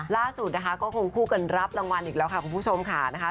ล่าสุดนะคะก็คงคู่กันรับรางวัลอีกแล้วค่ะคุณผู้ชมค่ะนะคะ